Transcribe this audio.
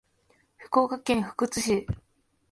福岡県福津市